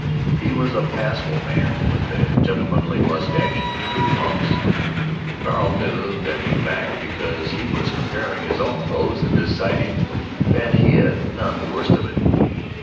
He was a passable man, with a gentlemanly mustache and good pumps. Carl knew that fact because he was comparing his own clothes and deciding that he had none the worst of it.